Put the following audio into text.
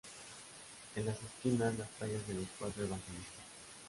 En las esquinas, las tallas de los cuatro Evangelistas.